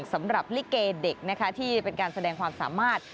สำหรับลิเกเด็กนะคะที่เป็นการแสดงความสามารถ